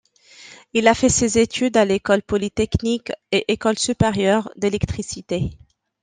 Il a fait ses études à l'École Polytechnique et École Supérieure d'électricité.